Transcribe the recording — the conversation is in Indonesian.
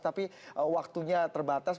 tapi waktunya terbatas